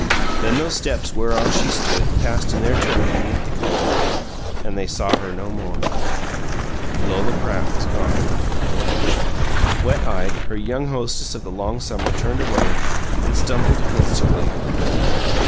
Then those steps whereon she stood passed in their turn beneath the culvert, and they saw her no more. Lola Pratt was gone! Wet eyed, her young hostess of the long summer turned away, and stumbled against William.